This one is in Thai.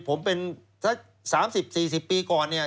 ผมเป็นสักสามสิบสี่สิบปีก่อนเนี่ย